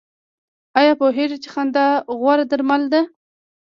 ایا پوهیږئ چې خندا غوره درمل ده؟